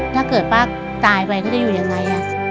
ถ้าเกิดป้าตายไปเขาจะอยู่ยังไง